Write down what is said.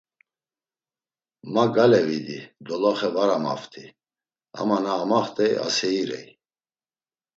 Ma gale vidi, doloxe var amaft̆i, ama na amaxt̆ey aseyirey.